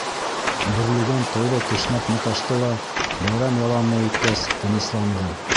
Бөрлөгән тәүҙә кешнәп маташты ла, байрам яланына еткәс, тынысланды.